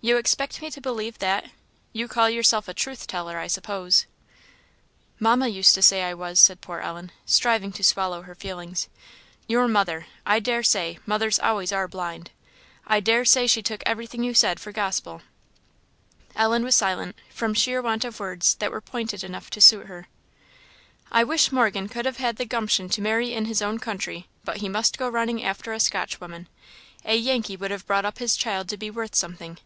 you expect me to believe that? you call yourself a truth teller, I suppose?" "Mamma used to say I was," said poor Ellen, striving to swallow her feelings. "Your mother! I daresay mothers always are blind. I daresay she took everything you said for gospel!" Ellen was silent, from sheer want of words that were pointed enough to suit her. "I wish Morgan could have had the gumption to marry in his own country; but he must go running after a Scotchwoman! A Yankee would have brought up his child to be worth something.